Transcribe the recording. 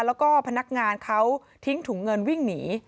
แล้วก็พนักงานเขาทิ้งถุงเงินวิ่งหนี